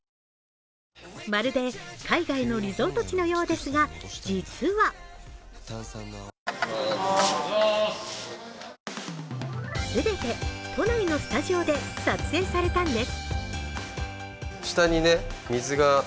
まるで海外のリゾート地のようですが、実は全て都内のスタジオで撮影されたんです。